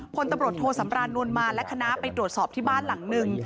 พลตำรวจโทสำรานนวลมาและคณะไปตรวจสอบที่บ้านหลังหนึ่ง